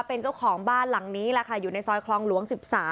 เป็นเจ้าของบ้านหลังนี้แหละค่ะอยู่ในซอยคลองหลวง๑๓